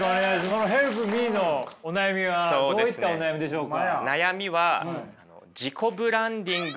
ヘルプミーのお悩みはどういったお悩みでしょうか。